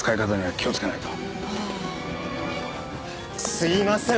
すいません